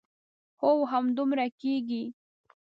هو همدومره کېږي.